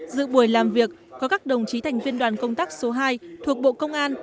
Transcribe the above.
dự buổi làm việc có các đồng chí thành viên đoàn công tác số hai thuộc bộ công an